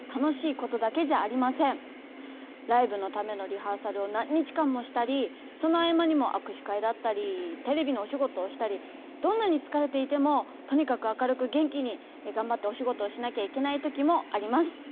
ライブのためのリハーサルを何日間もしたりその合間にも握手会だったりテレビのお仕事をしたりどんなにつかれていてもとにかく明るく元気にがんばってお仕事をしなきゃいけない時もあります。